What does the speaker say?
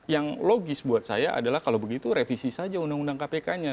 yang logis buat saya adalah kalau begitu revisi saja undang undang kpk nya